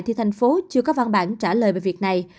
thì thành phố chưa có văn bản trả lời về việc này